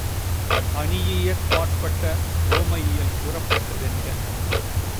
அணியியற்பாற்பட்ட உவமவியல் கூறப்பட்டதென்க.